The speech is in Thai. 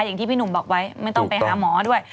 อย่างที่พี่หนุ่มบอกไว้ไม่ต้องไปหาหมอด้วย